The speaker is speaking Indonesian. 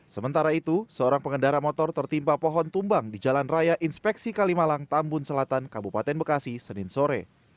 sementara itu seorang pengendara motor tertimpa pohon tumbang di jalan raya inspeksi kalimalang tambun selatan kabupaten bekasi senin sore